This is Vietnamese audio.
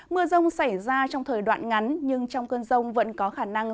mưa rông xảy ra trong thời đoạn ngắn nhưng trong cơn rông vẫn có khả năng